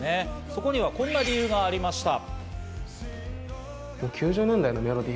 そこにはこんな理由がありました。